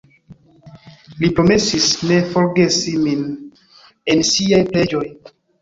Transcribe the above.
Li promesis ne forgesi min en siaj preĝoj.